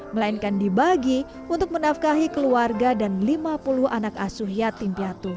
melainkan dibagi untuk menafkahi keluarga dan lima puluh anak asuh yatim piatu